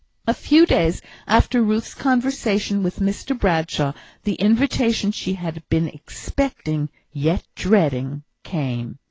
A few days after Ruth's conversation with Mr Bradshaw, the invitation she had been expecting, yet dreading, came.